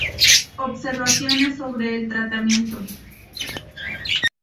Observaciones sobre el tratamiento